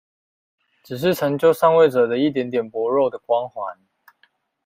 只是成就上位者的一點點薄弱的光環